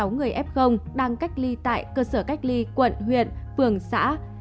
ba mươi năm một trăm bảy mươi sáu người f đang cách ly tại cơ sở cách ly quận huyện phường xã